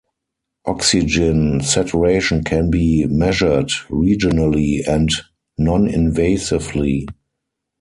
Oxygen saturation can be measured regionally and noninvasively.